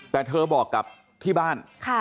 แต่เธอบอกกับที่บ้าน